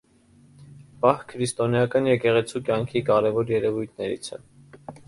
Պահք քրիստոնեական եկեղեցու կյանքի կարևոր երևույթներից է։